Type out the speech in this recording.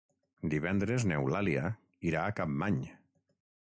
Divendres n'Eulàlia irà a Capmany.